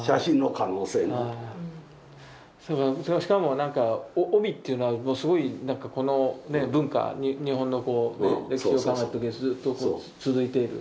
それがしかもなんか帯っていうのはすごいなんかこの文化日本の歴史を考えた時にずっと続いている。